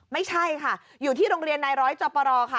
ไม่ใช่ค่ะอยู่ที่โรงเรียนนายร้อยจอปรค่ะ